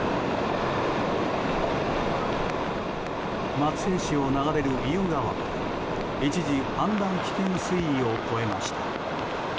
松江市を流れる意宇川も一時、氾濫危険水位を超えました。